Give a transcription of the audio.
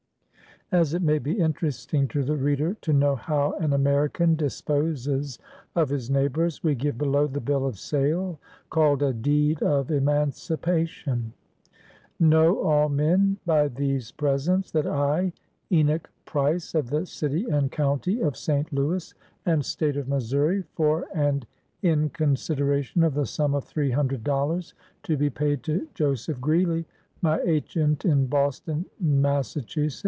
As it may be interesting to the reader to know how an Amer ican disposes of his neighbors, we give below the Bill of Sale, called a Deed of Emancipation :—" Knoio all men by these presents. That I, Enoch Price, of the city and county of St. Louis, and State of Missouri, for and in consideration of the sum of three hundred dollars, to be paid to Joseph Greely, my agent in Boston, Mass.